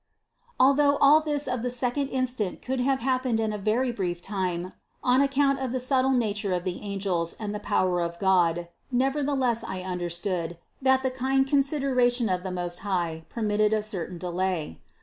84. Although all this of the second instant could have happened in a very brief time on account of the subtle nature of the angels and the power of God, never theless I understood, that the kind consideration of the Most High permitted a certain delay.